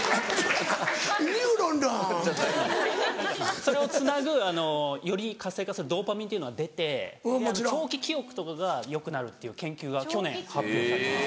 それをつなぐより活性化するドーパミンっていうのが出て長期記憶とかがよくなるっていう研究が去年発表されたんです。